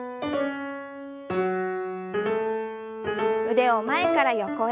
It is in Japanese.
腕を前から横へ。